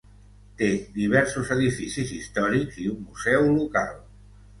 Té diversos edificis històrics i un museu local.